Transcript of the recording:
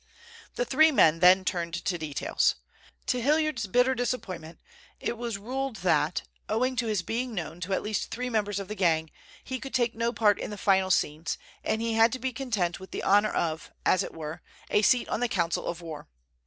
The three men then turned to details. To Hilliard's bitter disappointment it was ruled that, owing to his being known to at least three members of the gang, he could take no part in the final scenes, and he had to be content with the honor of, as it were, a seat on the council of war.